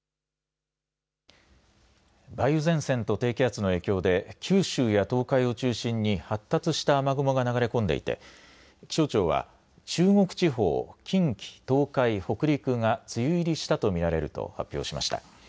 梅雨前線と低気圧の影響で九州や東海を中心に発達した雨雲が流れ込んでいて気象庁は中国地方、近畿、東海、北陸が梅雨入りしたと見られると発表しました。